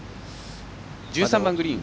１３番グリーン。